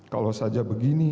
kalau saja begini